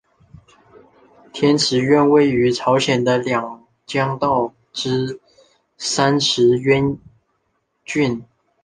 天池院位于朝鲜的两江道之三池渊郡。